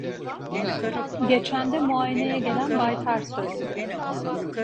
Geçende muayeneye gelen baytar söyledi…